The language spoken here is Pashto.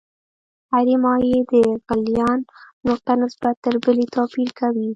د هرې مایع د غلیان نقطه نسبت تر بلې توپیر کوي.